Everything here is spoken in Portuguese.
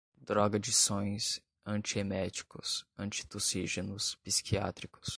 drogadições, antieméticos, antitussígenos, psiquiátricos